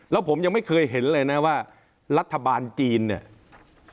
แล้วผมยังไม่เคยเห็นเลยนะว่ารัฐบาลจีนเนี่ย